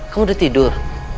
kamu udah tidur